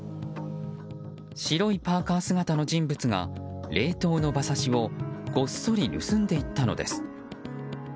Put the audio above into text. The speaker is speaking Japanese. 白いパーカ姿の人物が冷凍の馬刺しをごっそり盗んでいったのです。